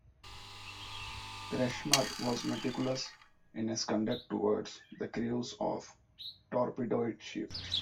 Kretschmer was meticulous in his conduct towards the crews of torpedoed ships.